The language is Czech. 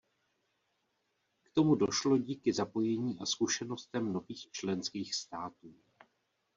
K tomu došlo díky zapojení a zkušenostem nových členských států.